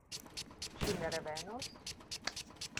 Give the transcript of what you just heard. Ŝi ne revenos?